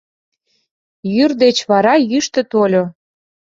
Йӱр деч вара йӱштӧ тольо.